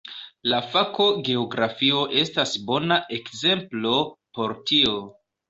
La fako geografio estas bona ekzemplo por tio.